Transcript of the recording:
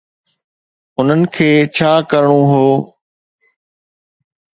انهن کي ڇا ڪرڻو هو.